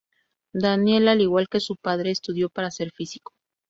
Daniel, al igual que su padre, estudió para ser físico.